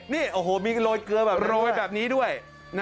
นี่โรยเกลือโรยแบบนี้ด้วย